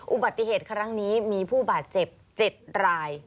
อุบัติเหตุครั้งนี้มีผู้บาดเจ็บ๗ราย